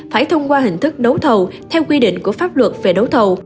phải thông qua hình thức đấu thầu theo quy định của pháp luật về đấu thầu